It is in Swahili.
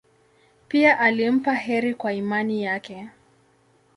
Pia alimpa heri kwa imani yake.